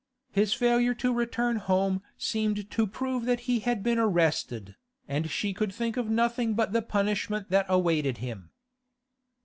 His failure to return home seemed to prove that he had been arrested, and she could think of nothing but the punishment that awaited him.